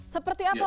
seperti apa mereka